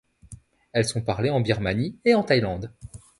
Elles sont parlées en Birmanie et en Thaïlande.